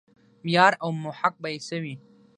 معیار او محک به یې څه وي.